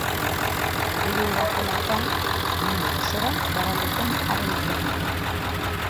Liburu hura zela-eta, mundu osora zabaldu zen haren izena.